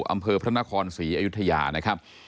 อำเภอพระนครศรีอยุธยานะครับ